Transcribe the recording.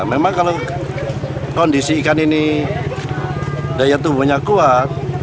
memang kalau kondisi ikan ini daya tumbuhnya kuat